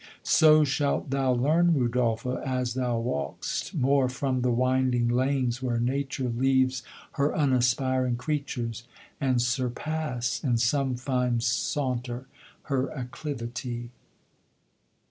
So shalt thou learn, Rudolpho, as thou walk'st, More from the winding lanes where Nature leaves Her unaspiring creatures, and surpass In some fine saunter her acclivity."